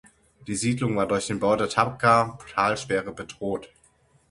Die Siedlung war durch den Bau der Tabqa-Talsperre bedroht.